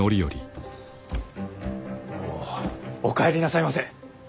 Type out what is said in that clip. お帰りなさいませ。